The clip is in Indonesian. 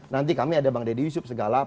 nanti kami ada bang deddy yusuf segala